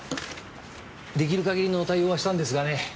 出来る限りの対応はしたんですがね。